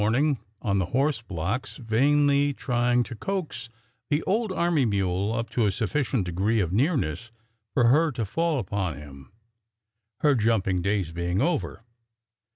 ing on the horse blocks vainly trying to coax the old army mule up to a sufficient degree of nearness for her to fall upon him, her jumping days being over.